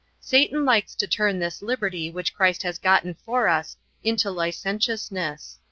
Satan likes to turn this liberty which Christ has gotten for us into licentiousness.